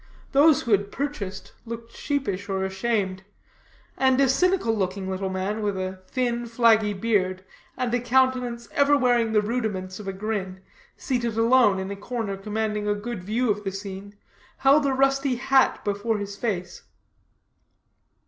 Those who had purchased looked sheepish or ashamed; and a cynical looking little man, with a thin flaggy beard, and a countenance ever wearing the rudiments of a grin, seated alone in a corner commanding a good view of the scene, held a rusty hat before his face.